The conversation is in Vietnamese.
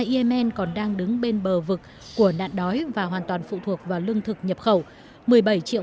yemen còn đang đứng bên bờ vực của nạn đói và hoàn toàn phụ thuộc vào lương thực nhập khẩu một mươi bảy triệu